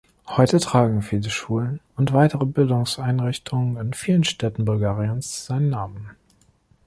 Heute tragen vielen Schulen und weitere Bildungseinrichtungen in vielen Städten Bulgariens seinen Namen.